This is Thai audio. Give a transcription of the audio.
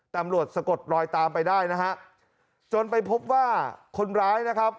ตำรวจสะกดรอยตามไปได้นะฮะจนไปพบว่าคนร้ายนะครับ